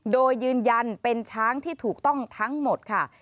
โดยยืนยันเป็นช้างที่ถูกต้องทั้งหมดค่ะ